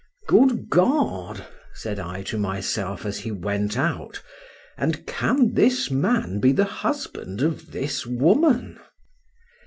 Good God! said I to myself, as he went out,—and can this man be the husband of this woman!